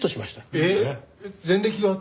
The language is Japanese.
えっ？